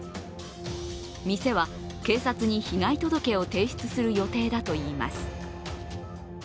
店は警察に被害届を提出する予定だといいます。